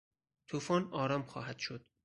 توفان آرام خواهد شد.